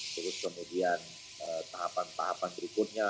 terus kemudian tahapan tahapan berikutnya